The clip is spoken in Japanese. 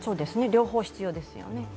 両方必要ですよね。